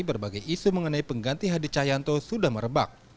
berbagai isu mengenai pengganti hadi cahyanto sudah merebak